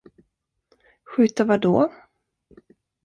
Skjuta vad då?